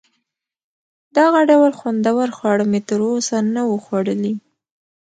دغه ډول خوندور خواړه مې تر اوسه نه وه خوړلي.